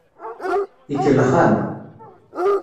Ikellex-am.